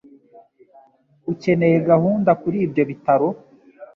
Ukeneye gahunda kuri ibyo bitaro.